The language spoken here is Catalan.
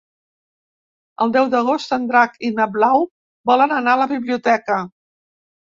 El deu d'agost en Drac i na Blau volen anar a la biblioteca.